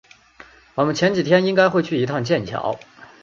我们前几天应该会去一趟剑桥